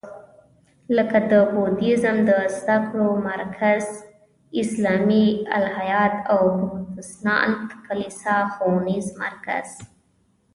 لکه د بودیزم د زده کړو مرکز، اسلامي الهیات او پروتستانت کلیسا ښوونیز مرکز.